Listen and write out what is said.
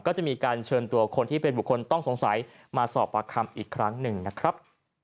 ก็จะมีการเชิญตัวคนที่เป็นบุคคลต้องสงสัยมาสอบปากคำอีกครั้งหนึ่งนะครับ